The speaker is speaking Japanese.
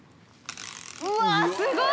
うわっすごい！